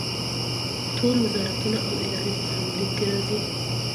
ټول وزارتونه او ادارې هم په دې کې راځي.